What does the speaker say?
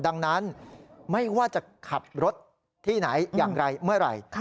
ดังนั้นไม่ว่าจะขับรถที่ไหนอย่างไรเมื่อไหร่